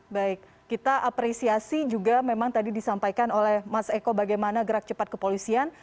baik kita apresiasi juga memang tadi disampaikan oleh mas eko bagaimana gerak cepat kepolisian